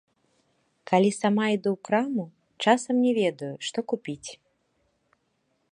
Калі сама іду ў краму, часам не ведаю, што купіць.